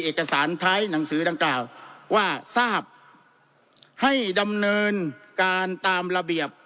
เอกสารท้ายหนังสือดังกล่าวว่าทราบให้ดำเนินการตามระเบียบ